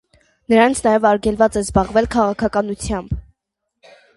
Նրանց նաև արգելվեց զբաղվել քաղաքականությամբ։